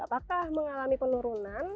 apakah mengalami penurunan